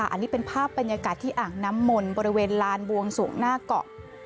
อันนี้เป็นภาพบรรยากาศที่อ่างน้ำมนต์บริเวณลานบวงสวงหน้าเกาะ